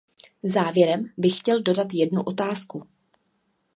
Závěrem bych chtěl dodat jednu otázku.